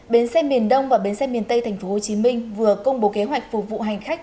bến xe miền đông và bến xe miền tây tp hcm vừa công bố kế hoạch phục vụ hành khách